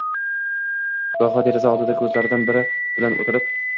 Goho deraza oldida ko'zlaridan biri bilan o'tirib